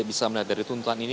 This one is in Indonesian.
bisa melihat dari tuntutan ini